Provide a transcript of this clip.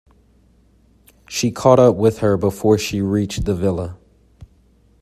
She caught up with her before she reached the villa.